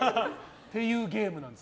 っていうゲームです。